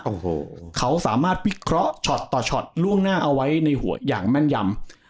โอ้โหเขาสามารถวิเคราะห์ช็อตต่อช็อตล่วงหน้าเอาไว้ในหัวอย่างแม่นยำ